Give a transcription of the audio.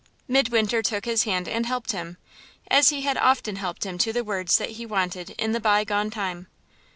Midwinter took his hand and helped him, as he had often helped him to the words that he wanted in the by gone time.